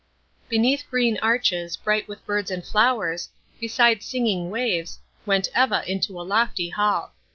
Beneath green arches, bright with birds and flowers, beside singing waves, went Eva into a lofty hall.